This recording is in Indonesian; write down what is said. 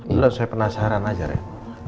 udah saya penasaran aja ren